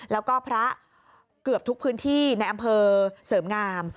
แล้วก็พระเกือบทุกพื้นที่ในอำเภอเสริมงาม